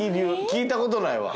聞いたことないわ。